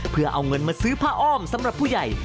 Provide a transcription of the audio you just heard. เพื่อเอาเงินมาซื้อผ้าอ้อมสำหรับผู้ใหญ่